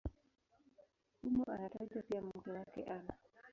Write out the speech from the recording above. Humo anatajwa pia mke wake Ana.